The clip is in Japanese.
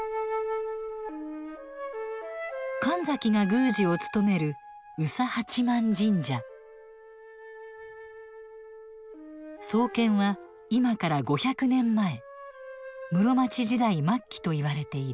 神崎が宮司を務める創建は今から５００年前室町時代末期といわれている。